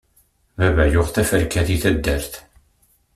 Baba yuɣ teferka di taddart.